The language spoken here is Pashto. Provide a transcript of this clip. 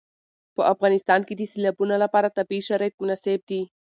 په افغانستان کې د سیلابونه لپاره طبیعي شرایط مناسب دي.